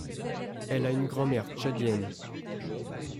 Elle a une grand-mère tchadienne.